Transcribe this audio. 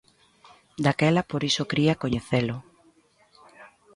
Daquela por iso cría coñecelo...